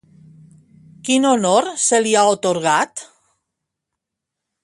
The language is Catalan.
Quin honor se li ha atorgat?